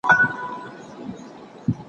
هغه د تاريخي دودونو درناوی کاوه.